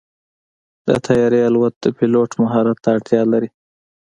د طیارې الوت د پيلوټ مهارت ته اړتیا لري.